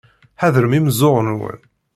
Ḥadrem imeẓẓuɣen-nwen.